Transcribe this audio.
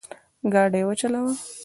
ګاډی وچلوه